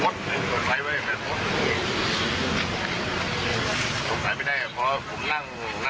มดตัวน้องผ่ายไว้แบบมด